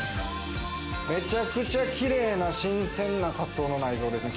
めちゃくちゃキレイな新鮮なカツオの内臓ですね。